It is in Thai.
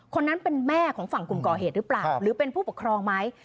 คนนั้นเป็นแม่ของฝั่งกลุ่มก่อเหตุหรือเปล่าหรือเป็นผู้ปกครองไหม